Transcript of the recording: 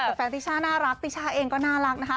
แต่แฟนติช่าน่ารักติช่าเองก็น่ารักนะคะ